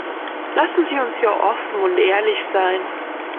Lassen Sie uns hier offen und ehrlich sein.